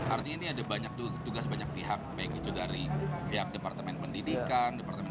artinya ini ada banyak tugas banyak pihak baik itu dari pihak departemen pendidikan departemen